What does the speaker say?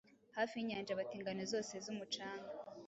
Hafi yinyanja Bati 'Ingano zose z'umucanga,